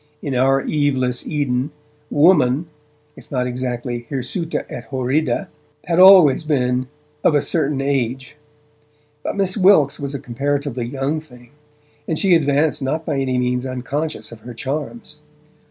In our Eveless Eden, Woman, if not exactly hirsuta et horrida, had always been 'of a certain age'. But Miss Wilkes was a comparatively young thing, and she advanced not by any means unconscious of her charms.